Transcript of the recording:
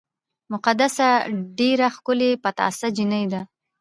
مقدسه ډېره ښکلې پټاسه جینۍ ده